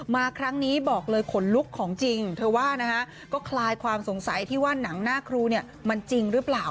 มาครั้งนี้บอกเลยขนลุกของจริงเธอว่านะฮะก็คลายความสงสัยที่ว่าหนังหน้าครูเนี่ยมันจริงหรือเปล่า